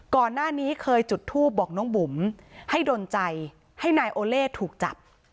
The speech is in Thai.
ก่อนหน้านี้เคยจุดทูปบอกน้องบุ๋มให้ดนใจให้นายโอเล่ถูกจับ